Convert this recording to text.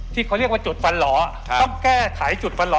ที่เขาเรียกว่าจุดฟันหล่อต้องแก้ไขจุดฟันหล